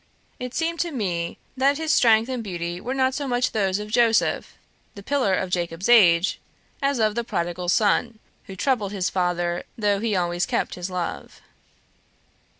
It seemed to me, that his strength and beauty were not so much those of Joseph, the pillar of Jacob's age, as of the Prodigal Son, who troubled his father, though he always kept his love.